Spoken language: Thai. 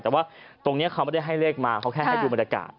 แต่ว่าตรงนี้เขาไม่ได้ให้เลขมาเขาแค่ให้ดูบรรยากาศ